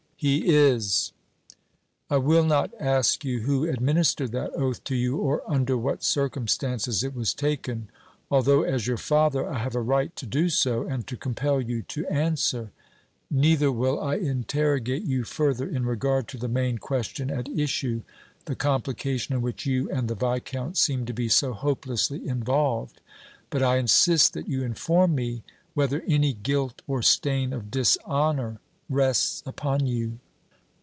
"He is!" "I will not ask you who administered that oath to you or under what circumstances it was taken, although as your father I have a right to do so and to compel you to answer; neither will I interrogate you further in regard to the main question at issue, the complication in which you and the Viscount seem to be so hopelessly involved; but I insist that you inform me whether any guilt or stain of dishonor rests upon you!"